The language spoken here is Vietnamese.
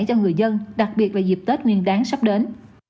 cho người dân đặc biệt là dịp tết nguyên đáng sắp đến